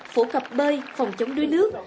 phổ cập bơi phòng chống đuôi nước